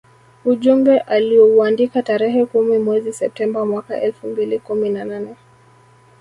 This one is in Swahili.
Ujumbe aliouandika tarehe kumi mwezi Septemba mwaka elfu mbili kumi na nane